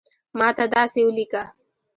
ماته داسی اولیکه